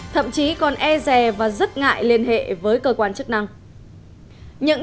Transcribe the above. thậm chí còn e rè và rất ngại liên hệ với cơ quan chức năng